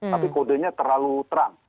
tapi kodenya terlalu terang